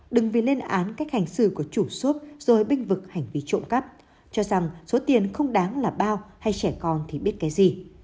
đừng vì lên án cách hành xử của chủ shop rồi binh vực hành vi trộm cắp cho rằng số tiền không đáng là bao hay trẻ con thì biết cái gì